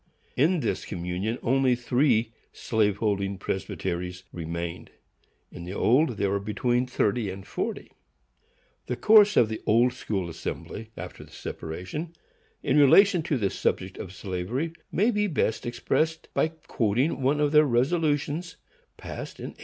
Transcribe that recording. In this communion only three slave holding presbyteries remained. In the old there were between thirty and forty. The course of the Old School Assembly, after the separation, in relation to the subject of slavery, may be best expressed by quoting one of their resolutions, passed in 1845.